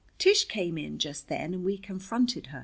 Tish came in just then and we confronted her.